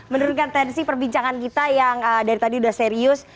menurunkan tensi perbincangan kita yang dari tadi sudah serius